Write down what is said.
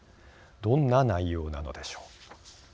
どんな内容なのでしょう。